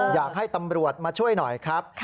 อยากให้ตำรวจมาช่วยหน่อยครับ